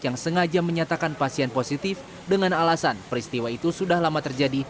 yang sengaja menyatakan pasien positif dengan alasan peristiwa itu sudah lama terjadi